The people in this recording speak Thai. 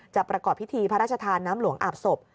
ประกอบพิธีพระราชทานน้ำหลวงอาบศพ